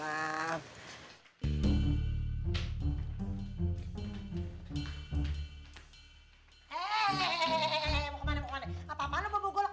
hei mau ke mana apa apaan lu bawa bawa gue lak